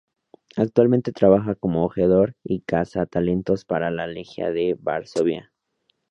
Actualmente trabaja como ojeador y cazatalentos para el Legia de Varsovia.